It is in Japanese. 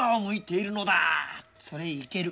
それいける。